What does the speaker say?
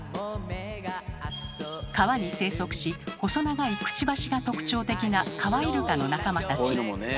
川に生息し細長いクチバシが特徴的なカワイルカの仲間たち。